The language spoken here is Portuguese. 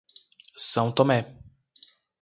São Tomé